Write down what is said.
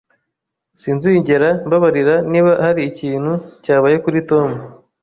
Sinzigera mbabarira niba hari ikintu cyabaye kuri Tom